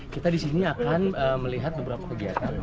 kita disini akan melihat beberapa kegiatan